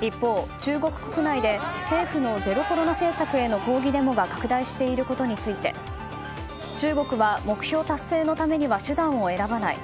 一方、中国国内で政府のゼロコロナ政策への抗議デモが拡大していることについて中国は目標達成のためには手段を選ばない。